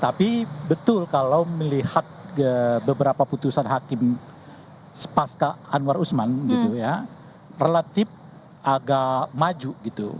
tapi betul kalau melihat beberapa putusan hakim sepaska anwar usman gitu ya relatif agak maju gitu